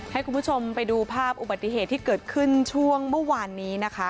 ให้คุณผู้ชมไปดูภาพอุบัติเหตุที่เกิดขึ้นช่วงเมื่อวานนี้นะคะ